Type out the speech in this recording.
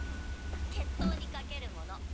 決闘に賭けるもの。